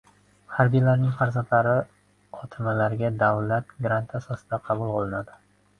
Harbiylarning farzandlari otmlarga davlat granti asosida qabul qilinadi.